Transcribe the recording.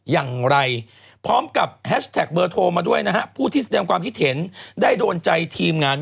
อย่างไรพร้อมกับแฮชแท็กเบอร์โทรมาด้วยนะฮะผู้ที่แสดงความคิดเห็นได้โดนใจทีมงาน